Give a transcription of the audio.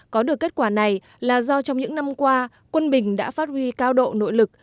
có được kết quả này là do trong những năm qua quân bình đã phát huy cao độ nội lực